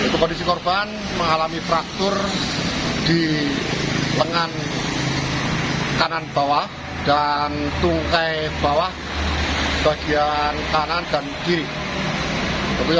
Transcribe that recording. kondisi korban mengalami traktor di lengan kanan bawah dan tungkai bawah bagian kanan dan kiri